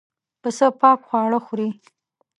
پسه پاک خواړه خوري.